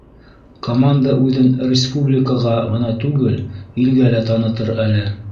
Команда үҙен республикаға ғына түгел, илгә лә танытыр әле...